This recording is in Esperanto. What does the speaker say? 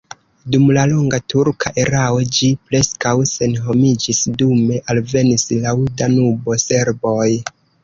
Dum la longa turka erao ĝi preskaŭ senhomiĝis, dume alvenis laŭ Danubo serboj.